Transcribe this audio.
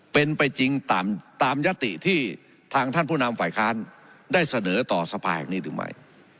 เป็นไปจริงตามยติที่ทางท่านผู้นำฝ่ายค้านได้เสนอต่อสภาแห่งนี้หรือไม่